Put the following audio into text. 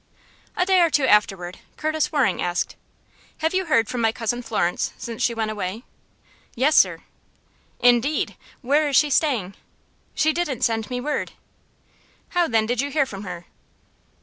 A day or two afterward Curtis Waring asked: "Have you heard from my Cousin Florence since she went away?" "Yes, sir." "Indeed! Where is she staying?" "She didn't send me word." "How, then, did you hear from her?"